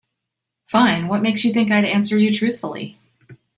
Fine, what makes you think I'd answer you truthfully?